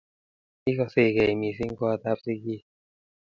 ikosengei mising kotab siki